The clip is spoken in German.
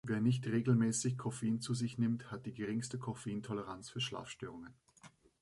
Wer nicht regelmäßig Koffein zu sich nimmt, hat die geringste Koffein-Toleranz für Schlafstörungen.